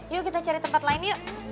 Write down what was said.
yuk kita cari tempat lain yuk